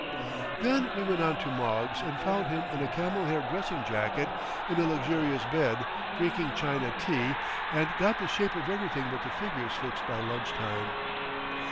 Then we went on to Moggs and found him in a camel hair dressing jacket in a luxurious bed, drinking China tea, and got the shape of everything but the figures fixed by lunch time.